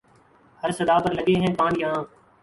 ہر صدا پر لگے ہیں کان یہاں